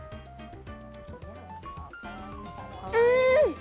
うん！